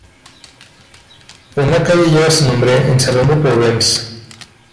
Una calle lleva su nombre en Salon de Provence.